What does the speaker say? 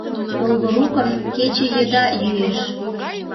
Долгоруков кече еда йӱэш.